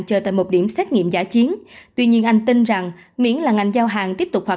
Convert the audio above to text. chờ tại một điểm xét nghiệm giả chiến tuy nhiên anh tin rằng miễn là ngành giao hàng tiếp tục hoạt